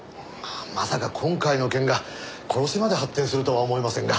まさか今回の件が殺しまで発展するとは思えませんが。